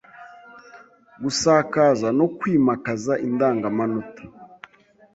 gusakaza no kwimakaza indangamanota